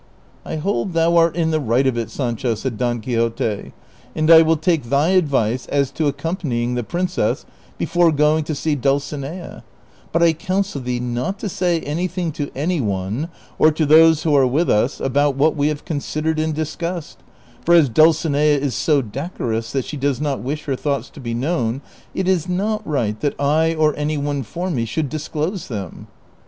" I hold thou art in the right of it, Sancho," said Don Qui xote, " and I will take thy advice as to accompanying the prin cess before going to see Dulcinea ; but I counsel thee not to say anything to any one, or to those who are with us, al)out what we have considered and discussed, for as Dulcinea is so decor(_)us that she does not wish her thoughts to be known it is not right that I or any one for me should disclose them."